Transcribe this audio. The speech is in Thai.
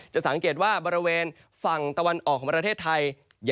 จะสังเกตว่าบริเวณฝั่งตะวันออกของประเทศไทย